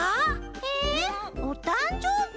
えおたんじょうび？